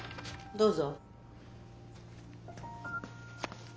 どうぞ。